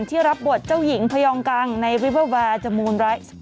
ที่รับบทเจ้าหญิงพยองกังในริเวอร์แวร์จมูลไรซ์